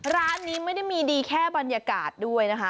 ร้านนี้ไม่ได้มีดีแค่บรรยากาศด้วยนะคะ